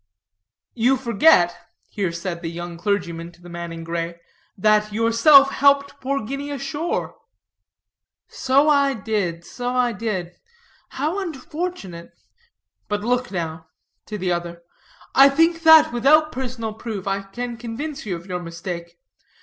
"You forget," here said the young clergyman to the man in gray, "that yourself helped poor Guinea ashore." "So I did, so I did; how unfortunate. But look now," to the other, "I think that without personal proof I can convince you of your mistake.